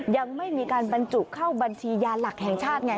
ยังไม่มีการบรรจุเข้าบัญชียาหลักแห่งชาติไง